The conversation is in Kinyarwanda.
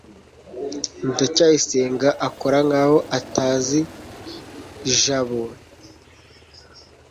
ndacyayisenga akora nkaho atazi jabo